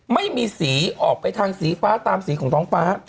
ไม่มีสีออกไปทางสีฟ้าตามสีของท้องฟ้า